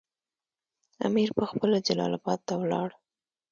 امیر پخپله جلال اباد ته ولاړ.